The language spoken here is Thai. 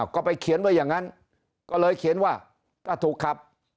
ก็ไปเขียนไว้อย่างนั้นก็เลยเขียนว่าถ้าถูกขับ